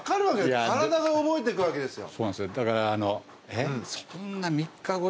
体が覚えていくわけですよ。